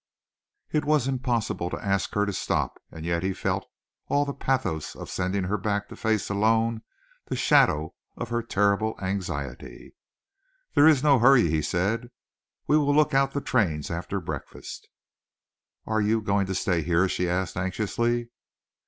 It was impossible to ask her to stop, and yet he felt all the pathos of sending her back to face alone the shadow of her terrible anxiety. "There is no hurry," he said. "We will look out the trains after breakfast." "Are you going to stay here?" she asked anxiously.